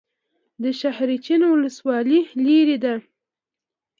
د شاحرچین ولسوالۍ لیرې ده